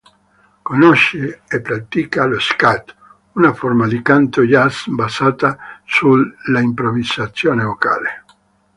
Conosce e pratica lo "scat", una forma di canto jazz basata sull'improvvisazione vocale.